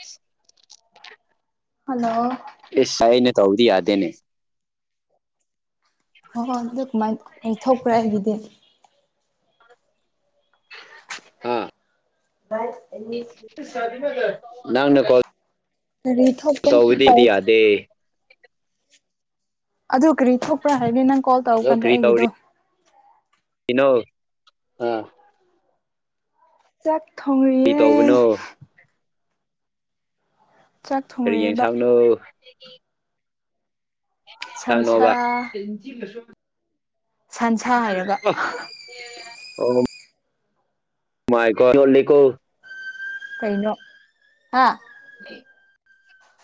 ꯏꯁ! Hello. ꯏꯁ! ꯑꯩꯅ ꯇꯧꯗꯤ ꯌꯥꯗꯦꯅꯦ꯫ ꯍꯣꯏ ꯍꯣꯏ ꯑꯗꯨ ꯀꯃꯥꯏꯅ ꯀꯩ ꯊꯣꯛꯄ꯭ꯔꯥ ꯑꯩꯒꯤꯗꯤ? ꯍꯥ꯫ ꯚꯥꯏ꯫ ꯅꯪ ꯅ ꯀꯣꯜ ꯀꯔꯤ ꯊꯣꯛꯇꯣꯏ ꯍꯥꯏꯕ ꯇꯧꯕꯗꯤꯗꯤ ꯑꯩꯗꯤ꯫ ꯌꯥꯗꯦ ꯑꯗꯨ ꯀꯔꯤ ꯊꯣꯛꯄ꯭ꯔꯥ ꯍꯥꯏꯅꯤ ꯅꯪ ꯀꯣꯜ ꯇꯧꯔ ꯀꯥꯟꯗ ꯑꯩꯒꯤꯗꯣ꯫ ꯏꯅꯣꯜ ꯑꯥ꯫ ꯆꯥꯛ ꯀꯔꯤ ꯊꯣꯡꯔꯤꯌꯦ꯫ ꯇꯧꯕꯅꯣ ꯆꯥꯛ ꯀꯔꯤ ꯊꯣꯡꯔꯤꯑꯦꯕ ꯌꯦꯟꯁꯥꯡꯅꯣ꯫ ꯁꯟꯁꯥ ꯍꯜꯂꯣꯕ꯫ ꯁꯟꯁꯥ ꯍꯥꯏꯔꯒ꯫ ꯑꯣ꯫ ꯃꯥꯥꯏꯀꯣ ꯂꯣꯠꯂꯤꯀꯣ꯫ ꯀꯩꯩꯅꯣ ꯍꯥ꯫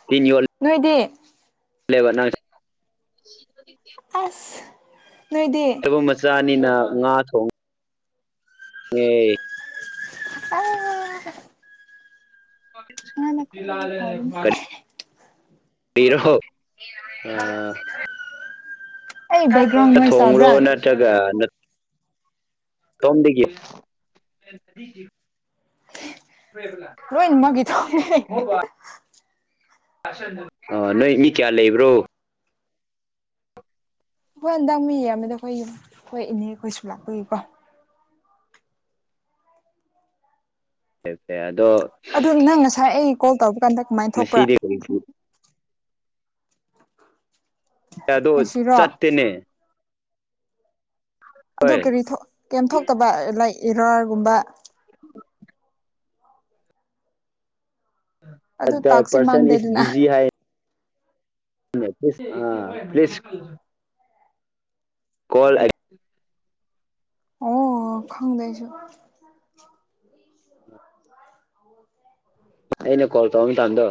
ꯇꯤꯟ ꯌꯣꯠ ꯅꯣꯏꯗꯤ? ꯂꯦꯕ ꯅꯪꯁꯤ꯫ ꯑꯁ ꯅꯣꯏꯗꯤ? ꯐꯨꯝ ꯃꯆꯥꯅꯤꯅ ꯉꯥ ꯊꯣꯡ ꯉꯦ꯫ ꯑꯥꯁ꯫ ꯐꯕꯅꯦ [unintelligible] ꯍꯤꯔꯣ ꯑ [unintelligible] ꯑꯩ ꯕꯦꯛꯒ꯭ꯔꯥꯎꯟ ꯅꯣꯏꯁ ꯊꯣꯡꯕ꯭ꯔꯣ ꯇꯥꯕ꯭ꯔꯥ ꯅꯠ ꯀꯔꯤ ꯅꯠ ꯀꯝꯕꯒꯤ꯫ [inaudible] ꯂꯣꯏꯅꯃꯛꯀꯤ ꯊꯣꯛꯅꯦ ꯑꯩꯈꯣꯏ [unintelligible] ꯑ ꯅꯣꯏ ꯃꯤ ꯀꯌꯥ ꯂꯩꯕ꯭ꯔꯣ ꯑꯩꯈꯣꯏ ꯍꯟꯗꯛ ꯃꯤꯌꯥꯝꯃꯦꯗ ꯑꯩꯈꯣꯏ ꯌꯨꯝ ꯑꯩꯈꯣꯏ ꯏꯅꯦꯈꯣꯏꯁꯨ ꯂꯥꯛꯄꯒꯤꯀꯣ ꯑꯗꯣ ꯑꯗꯨ ꯅꯪ ꯉꯁꯥꯏ ꯑꯩ ꯀꯣꯜ ꯇꯧꯔ ꯀꯥꯟꯗ ꯀꯃꯥꯏꯅ ꯊꯣꯛꯄ꯭ꯔꯥ ꯊꯦꯡꯌꯨ ꯑꯗꯣ ꯉꯁꯤꯔꯣ ꯆꯠꯇꯦꯅꯦ ꯑꯗꯨ ꯍꯣꯏ ꯀꯔꯤ ꯊꯣꯛ ꯀꯦꯝ ꯊꯣꯛꯇꯕ ꯂꯥꯏꯛ ꯏꯔꯥꯔꯒꯨꯝꯕ [inaudible] ꯑꯗꯨ ꯗ ꯇꯥꯛꯁꯤ ꯄꯔꯁꯟ ꯏꯁ ꯃꯥꯡꯗꯦꯗꯅ ꯕꯤꯖꯤ ꯍꯥꯏ ꯑ ꯄ꯭ꯂꯤꯁ ꯀꯣꯜ ꯑꯣ ꯈꯪꯗꯦꯑꯩꯁꯨ [inaudible] ꯑ [unintelligible] ꯑꯩꯅ ꯀꯣꯜ ꯇꯧ ꯃꯇꯝꯗꯣ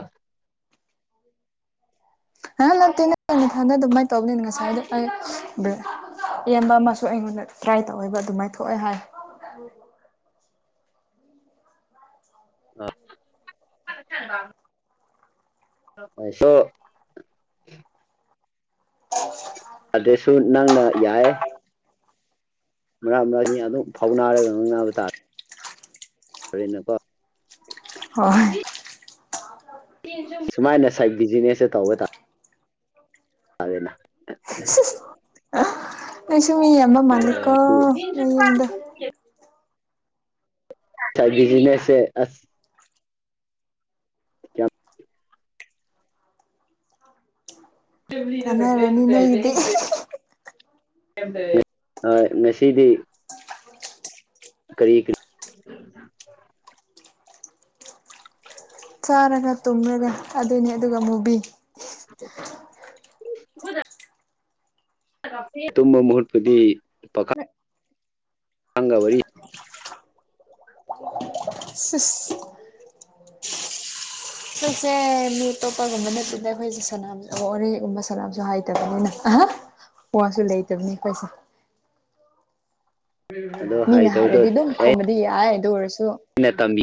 ꯍꯥ ꯂꯥꯛꯇꯦꯅꯦꯊꯥꯗ ꯑꯗꯨꯃꯥꯏꯅ ꯇꯧꯕꯅꯤ ꯉꯁꯥꯏꯗꯣ ꯕ꯭ꯔꯦ ꯏꯌꯥꯝꯕ ꯑꯃꯁꯨ ꯑꯩꯉꯣꯟꯗ ꯇ꯭ꯔꯥꯏ ꯇꯧꯋꯦꯕ ꯑꯗꯨꯃꯥꯏꯅ ꯊꯣꯛꯑꯦ ꯍꯥꯏ [unintelligible] ꯑ ꯁꯣ [unintelligible] ꯑꯗꯨꯁꯨ ꯅꯪꯅ ꯌꯥꯏ ꯃꯔꯛ ꯃꯔꯛ ꯃꯤ ꯑꯗꯨꯝ ꯐꯥꯎ ꯅꯥꯔꯒ ꯉꯥꯡꯅꯕ ꯇꯥꯔꯦ [unintelligible] ꯀꯣ ꯍꯣꯏ ꯁꯨꯃꯥꯏꯅ ꯁꯥꯏꯠ ꯕꯤꯖꯤꯅꯦꯁꯇ ꯇꯧꯕ ꯇꯥ ꯇꯔꯦꯅ ꯅꯣꯏꯁꯨ ꯃꯤ ꯌꯥꯝꯕ ꯃꯜꯂꯤꯀꯣ ꯅꯣꯏꯌꯨꯝꯗꯨ ꯁꯥꯏꯠ ꯕꯤꯖꯤꯅꯦꯁꯁꯦ ꯑꯁ ꯀꯌꯥꯝ ꯀꯥꯟꯅꯔꯅꯤ ꯅꯣꯏꯒꯤꯗꯤ [unintelligible] ꯍꯣꯏ ꯉꯁꯤꯗꯤ ꯀꯔꯤ ꯀꯔꯤ ꯆꯥꯔꯒ ꯇꯨꯝꯂꯒ ꯑꯗꯨꯅꯤ ꯑꯗꯨꯒ ꯃꯨꯕꯤ ꯍꯣꯗ ꯇꯨꯝꯕ ꯃꯍꯨꯠꯄꯨꯗꯤ ꯄꯥꯈꯪꯒ ꯋꯥꯔꯤ ꯁꯤꯁ ꯑꯩꯈꯣꯏꯁꯦ ꯃꯤ ꯑꯇꯣꯞꯄꯒꯨꯝꯕ ꯅꯠꯇꯗ ꯑꯩꯈꯣꯏꯁꯦ ꯁꯥꯟꯅꯕ ꯑꯥ ꯋꯥꯔꯤꯒꯨꯝꯕ ꯁꯥꯟꯅꯕꯁꯨꯍꯥꯏꯇꯕꯅꯤꯅ ꯋꯥꯁꯨ ꯂꯩꯇꯕꯅꯤ ꯑꯩꯈꯣꯏꯁꯦ ꯑꯗꯣ ꯃꯤꯅ ꯍꯩꯇꯕꯗꯣ ꯍꯥꯏꯔꯗꯤ ꯑꯗꯨꯝ ꯈꯨꯝꯕꯗꯤ ꯌꯥꯏ ꯑꯗꯨ ꯑꯣꯏꯔꯁꯨ ꯑꯩꯅ ꯇꯝꯕꯤ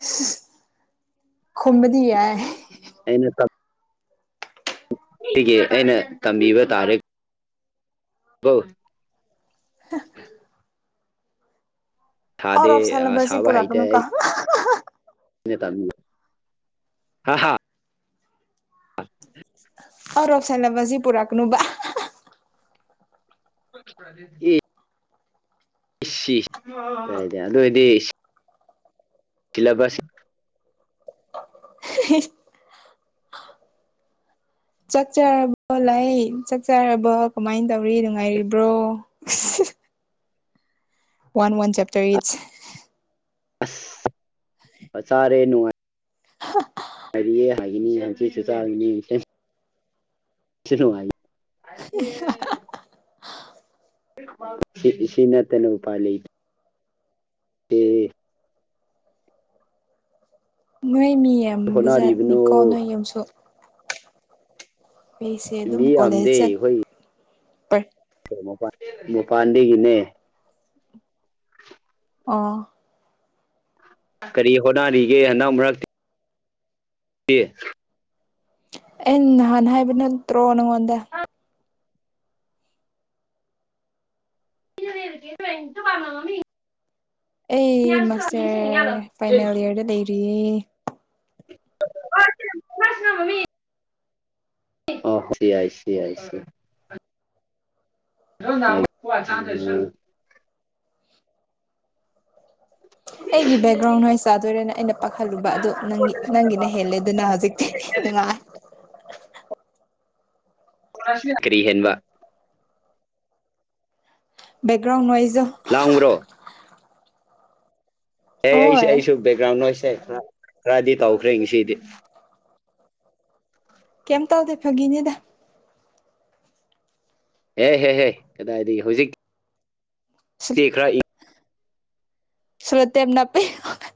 ꯏꯁ ꯈꯨꯝꯕꯗꯤ ꯌꯥꯏ ꯑꯩꯅ ꯀꯛ ꯅꯨꯡꯇꯤꯒꯤ ꯑꯩꯅ ꯇꯝꯕꯤꯕ ꯇꯥꯔꯦ ꯕ ꯑꯧꯠ ꯁꯥꯗꯦ ꯑꯣꯐ ꯁꯦꯂꯕꯁꯁꯤ ꯄꯨꯔꯛꯀꯅꯨ ꯀꯣ [unintelligible] ꯇꯥꯕꯤꯕ꯭ꯔ ꯍꯥ ꯍꯥ ꯑꯧꯠ ꯑꯣꯐ ꯁꯦꯂꯦꯕꯁꯁꯤ ꯄꯨꯔꯛꯀꯅꯨꯕ [unintelligible] [unintelligible] ꯑꯦ ꯏꯁꯤ [unintelligible] ꯑꯗꯨꯑꯣꯏꯗꯤ ꯈꯤꯂꯕꯁꯤ [unintelligible] ꯆꯥꯛ ꯆꯥꯔꯕꯣ ꯂꯩ ꯆꯥꯛꯆꯥꯔꯕꯣ ꯀꯃꯥꯏ ꯇꯧꯔꯤ ꯅꯨꯡꯉꯥꯏꯔꯤꯕ꯭ꯔꯣ ꯋꯥꯟ ꯋꯥꯟ ꯆꯦꯞꯇꯔ ꯏꯆ [unintelligible] ꯑꯁ ꯑ ꯆꯔꯦ ꯅꯨꯡꯉꯥꯏ [unintelligible] ꯉꯥꯏꯔꯤꯌꯦ ꯍꯥꯏꯒꯅꯤꯌꯦ ꯍꯪꯖꯤꯛꯁꯨ ꯆꯥꯒꯤꯅꯤ [unintelligible] [unintelligible] ꯁꯤ ꯁꯤꯅꯠꯇꯅ ꯎꯄꯥꯏ ꯂꯩꯇꯦ ꯇꯦ ꯅꯣꯏ ꯃꯤ ꯍꯣꯠꯅꯔꯤꯕꯅꯣ ꯌꯥꯝꯕꯖꯥꯠꯅꯤꯀꯣ ꯅꯣꯏ ꯌꯨꯝꯁꯨ ꯑꯩꯁꯦ ꯑꯗꯨꯝ ꯃꯤ ꯀꯣꯂꯦꯖ ꯌꯥꯝꯗꯦ ꯆꯠ [unintelligible] ꯃꯄꯥꯥꯟꯗꯒꯤꯅꯦ ꯑꯣ ꯀꯔꯤ ꯍꯣꯠꯅꯔꯤꯒꯦ ꯍꯟꯗꯛ ꯃꯔꯛꯇꯤ ꯇꯤ ꯑꯩꯅ ꯅꯍꯥꯟ ꯍꯥꯏꯕꯅ ꯅꯠꯇ꯭ꯔꯣ ꯅꯉꯣꯟꯗ [unintelligible] ꯑꯩ ꯃꯥꯁꯇꯔ ꯐꯥꯏꯅꯦꯜ ꯏꯌꯔꯗ ꯂꯩꯔꯤꯌꯦ [unintelligible] ꯑꯣ ꯁꯤ ꯑꯥꯏ ꯑꯥꯏꯁꯤ ꯑꯥꯏꯁꯤ ꯅꯪ ꯅꯍꯥꯟꯒꯩ ꯀ꯭ꯋꯥ ꯆꯥꯗ꯭ꯔꯁꯨ ꯑꯩꯒꯤ ꯕꯦꯛꯒ꯭ꯔꯥꯎꯟ [unintelligible] ꯆꯥꯗꯨꯏꯔꯅꯦ ꯑꯩꯅ ꯄꯥꯈꯠꯂꯨꯕ ꯑꯗꯨ ꯅꯪꯒꯤ ꯅꯪꯒꯤꯅ ꯍꯦꯜꯂꯦꯗꯅ ꯍꯧꯖꯤꯛꯇꯤ ꯅꯨꯡꯉꯥꯏ [unintelligible] ꯀꯔꯤ ꯍꯦꯟꯕ ꯕꯦꯛꯒ꯭ꯔꯥꯎꯟ ꯅꯣꯏꯖꯣ ꯂꯥꯡꯕ꯭ꯔꯣ ꯑꯦ ꯑꯩꯁꯦ ꯍꯣꯏ ꯑꯩꯁꯨ ꯕꯦꯛꯒ꯭ꯔꯥꯎꯟ ꯅꯣꯏꯁꯦ ꯈꯔ ꯈꯔꯗꯤ ꯇꯧꯈ꯭ꯔꯦ ꯉꯁꯤꯗꯤ ꯀꯩꯝ ꯇꯧꯗꯦ ꯐꯥꯒꯤꯅꯤꯗ ꯑꯦ ꯍꯦꯍꯦ ꯀꯗꯥꯏꯗꯒꯤ ꯍꯧꯖꯤꯛ ꯇꯤ ꯈꯔ [unintelligible] ꯁꯣꯂꯨꯇꯦꯞ ꯅꯞꯄꯤ [unintelligible]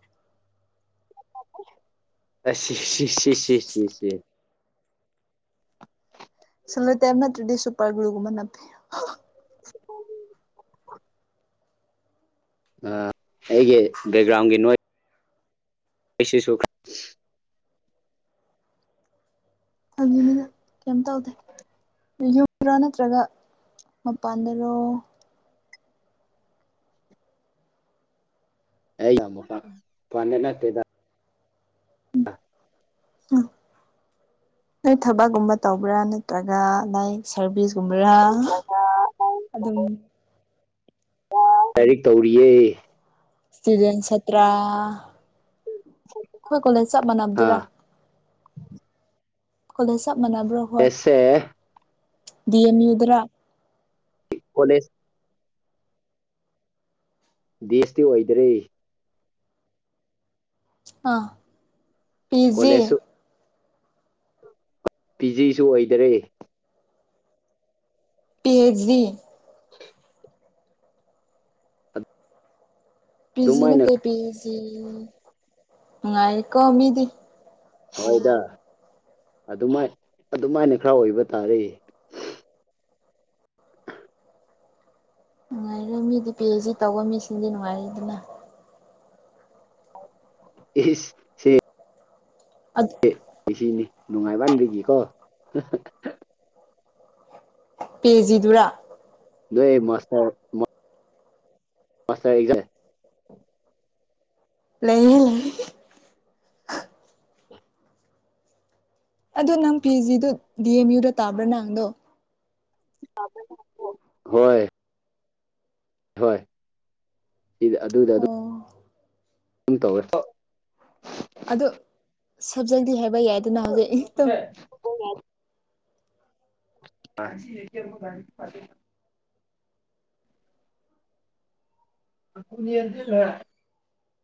[unintelligible] ꯑꯁ ꯁꯤ ꯁꯤ ꯁꯤ ꯁꯤ ꯁꯤ ꯁꯤ ꯁꯣꯂꯨꯇꯦꯞ ꯅꯠꯇ꯭ꯔꯗꯤ ꯁꯨꯄꯔ ꯒ꯭ꯂꯨꯒꯨꯝꯕ ꯅꯞꯀꯦ ꯍꯥꯏꯌꯨ [unintelligible] [unintelligible] ꯑ ꯑꯩꯒꯤ ꯕꯦꯛꯒ꯭ꯔꯥꯎꯟꯒꯤ ꯅꯣꯏ ꯑꯩꯁꯤꯁꯨ [unintelligible] ꯑꯗꯨꯒꯤꯅ ꯀꯩꯝ ꯇꯧꯗꯦ ꯅꯌꯨꯝꯗꯔ ꯅꯠꯇ꯭ꯔꯒ ꯃꯄꯥꯟꯗꯔꯣ ꯑꯩꯅ ꯑꯃꯩꯛꯀ ꯃꯄꯥꯟꯗ ꯅꯠꯇꯦꯗ INAUDIBLE ꯅꯣꯏ ꯊꯕꯛꯀꯨꯝꯕ ꯇꯧꯕ꯭ꯔꯥ ꯅꯠꯇ꯭ꯔꯒ ꯂꯥꯏꯛ ꯁꯔꯚꯤꯁꯒꯨꯝꯕ꯭ꯔꯥ ꯑꯍꯥ ꯑꯗꯨꯝ ꯂꯥꯏꯔꯤꯛ ꯇꯧꯔꯤꯌꯦ ꯏꯁꯇꯨꯗꯦꯟ ꯁꯇ꯭ꯔꯥ ꯑꯩꯈꯣꯏ ꯀꯣꯂꯦꯖ ꯆꯞ ꯃꯥꯟꯅꯕꯗꯨꯔ ꯍꯥ ꯀꯣꯂꯦꯖ ꯆꯞ ꯃꯥꯟꯅꯕ꯭ꯔꯣ ꯑꯦꯁꯦ ꯗꯤꯑꯦꯝ ꯌꯨ ꯗꯔꯥ ꯀꯣꯂꯦꯖ ꯗꯦꯁꯇꯤ ꯑꯣꯏꯗ꯭ꯔꯦ ꯑꯥ ꯄꯤꯖꯤ ꯀꯣꯂꯦꯖꯁꯨ ꯄꯤꯖꯤꯖꯨ ꯭ꯑꯣꯏꯗꯔꯦ P H D P G ꯑꯗꯨꯃꯥꯏꯅ ꯅꯠꯇꯦ ꯄꯤ ꯑꯩꯁꯤ ꯅꯨꯡꯉꯥꯏꯔꯦ ꯀꯣ ꯃꯤꯗꯤ ꯍꯣꯏꯗ ꯑꯗꯨꯃꯥꯏ ꯑꯗꯨꯃꯥꯏꯅ ꯈꯔ ꯑꯣꯏꯕ ꯇꯥꯔꯦ ꯅꯨꯡꯉꯥꯏꯔꯦ ꯃꯤꯗꯤ ꯄꯤ ꯑꯩꯆ ꯗꯤ ꯇꯧꯕ ꯃꯤꯁꯤꯡꯗꯤ ꯅꯨꯡꯉꯥꯏꯔꯦꯗꯅ ꯏꯍꯤꯁ ꯑꯗ ꯁꯤꯖꯤꯅꯤ ꯅꯨꯡꯉꯥꯏꯃꯟꯕꯒꯤꯀꯣ ꯄꯤꯖꯤ ꯗꯨꯔ ꯅꯣꯏ ꯃꯥꯁꯇꯔ ꯃꯥ ꯃꯥꯁꯇꯔ ꯖꯦ ꯂꯩꯅꯤꯏ ꯑꯗꯣ ꯅꯪ ꯄꯤꯖꯤꯗꯣ ꯗꯤ ꯑꯦꯝ ꯌꯨꯗ ꯇꯥꯕ꯭ꯔꯥ ꯅꯪꯗꯣ UNINTELLIGIBLE ꯑꯍꯣꯏ ꯁꯤꯗ ꯑꯗꯨꯗ ꯑꯗꯨ ꯑꯣ ꯎꯪ ꯇꯧꯋꯦꯀꯣ ꯑꯗꯨ ꯁꯕꯖꯦꯛꯇꯤ ꯍꯥꯏꯕ ꯌꯥꯏ UNINTELLIGIBLE UNINTELLIGIBLE UNINTELLIGIBLE